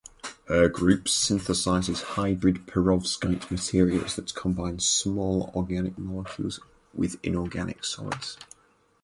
Her group synthesizes hybrid perovskite materials that combine small organic molecules with inorganic solids.